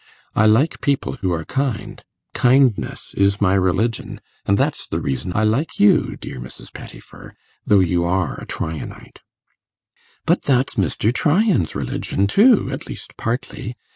I like people who are kind; kindness is my religion; and that's the reason I like you, dear Mrs. Pettifer, though you are a Tryanite.' 'But that's Mr. Tryan's religion too at least partly.